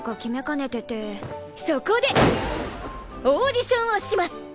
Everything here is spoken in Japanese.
オーディションをします！